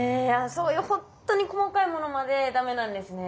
そういうほんとに細かいものまでダメなんですね。